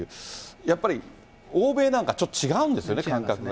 やっぱり欧米なんか、ちょっと違うんですよね、感覚が。